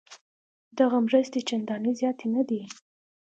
دغه مرستې چندانې زیاتې نه دي.